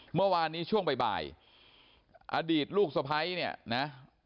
เมื่อวานนี้ช่วงบ่ายอดีตลูกสะพ้ายเนี่ยนะ